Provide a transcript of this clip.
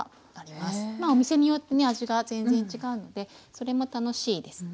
まあお店によってね味が全然違うのでそれも楽しいですね。